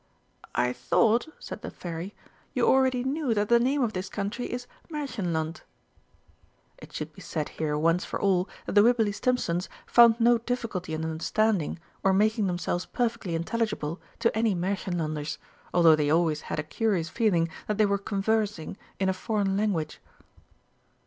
"I thought," said the Fairy, "you already knew that the name of this country is Märchenland." It should be said here once for all that the Wibberley Stimpsons found no difficulty in understanding, or making themselves perfectly intelligible to any Märchenlanders, although they always had a curious feeling that they were conversing in a foreign language.